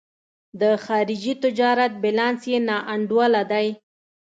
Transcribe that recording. د خارجي تجارت بیلانس یې نا انډوله دی.